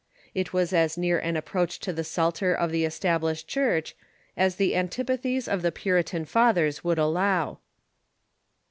It was as near an approach to the Psalter of the Established Church as the antip athies of the Puritan fathers would allow.